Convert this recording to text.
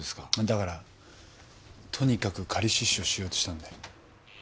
だからとにかく仮出所しようとしたんだよ。